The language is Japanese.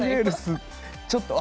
ちょっと。